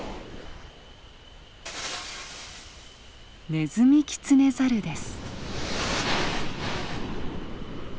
ネズミキツネザルです。